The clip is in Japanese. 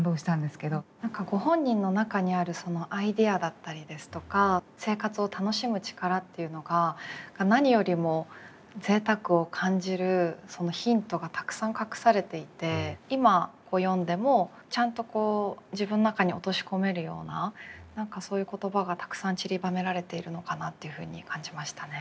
何かご本人の中にあるそのアイデアだったりですとか生活を楽しむ力っていうのが何よりも贅沢を感じるそのヒントがたくさん隠されていて今読んでもちゃんとこう自分の中に落とし込めるような何かそういう言葉がたくさんちりばめられているのかなというふうに感じましたね。